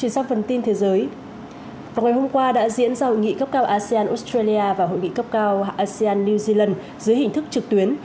trong ngày hôm qua đã diễn ra hội nghị cấp cao asean australia và hội nghị cấp cao asean new zealand dưới hình thức trực tuyến